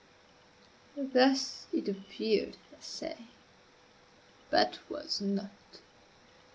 Thus it appeared, I say, but was not.